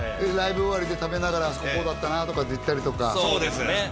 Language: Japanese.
ライブ終わりで食べながらあそここうだったなとか言ったりそうですね